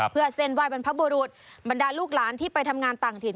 เพื่อเส้นไหว้บรรพบุรุษบรรดาลูกหลานที่ไปทำงานต่างถิ่น